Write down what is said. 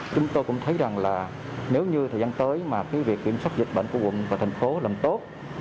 chúng tôi cũng thấy rằng là nếu như thời gian tới mà cái việc kiểm soát dịch bệnh của quận và thành phố làm tốt